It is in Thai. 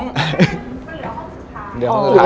มันเหลือห้องสุดท้าย